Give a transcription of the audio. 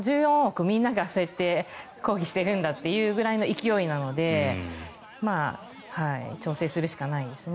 人みんながそうやって抗議しているんだというぐらいの勢いなので調整するしかないですね。